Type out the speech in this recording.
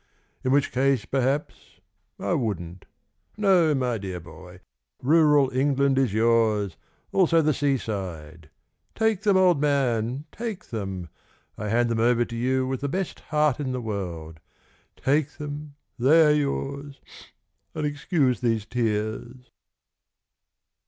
In which case, perhaps, I wouldn't. No, my dear boy, Rural England is yours, Also the sea side, Take them, old man, take them; I hand them over to you with the best heart in the world. Take them they are yours And excuse these tears.